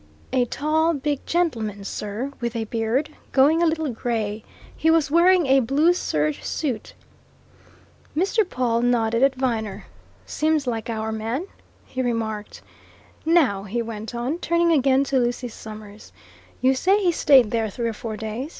"A tall, big gentleman, sir, with a beard, going a little grey. He was wearing a blue serge suit." Mr. Pawle nodded at Viner. "Seems like our man," he remarked. "Now," he went on, turning again to Lucy Summers, "you say he stayed there three or four days.